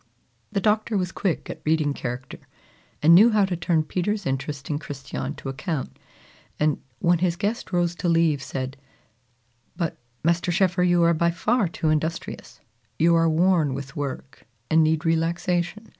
The Doctor was quick at reading character, and knew how to turn Peter's interest in Christiane to account, and, when his guest rose to leave, said, "But, Master Schoeffer, you are by far too industrious. You are worn with work, and need relaxation.